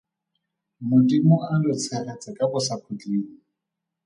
Modimo a lo tshegetse ka bosakhutleng.